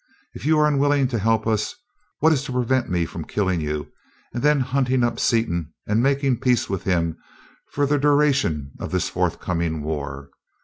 If you are unwilling to help us, what is to prevent me from killing you, and then hunting up Seaton and making peace with him for the duration of this forthcoming war?